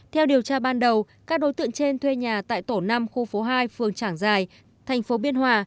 theo điều tra ban đầu các đối tượng trên thuê nhà tại tổ năm khu phố hai phường trảng giài thành phố biên hòa